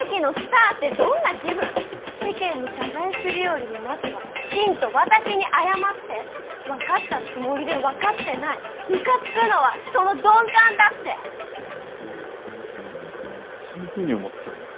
世間に謝罪するよりもまずはきちんと私に謝って分かったつもりで分かってないムカつくのはその鈍感だってそんなふうに思ってたんだ。